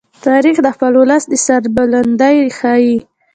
تاریخ د خپل ولس د سربلندۍ ښيي.